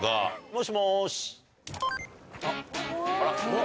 もしもし。